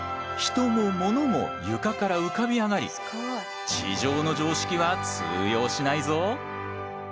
人もモノも床から浮かび上がり地上の常識は通用しないぞ。